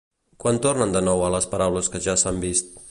Quan tornen de nou a les paraules que ja s’han vist?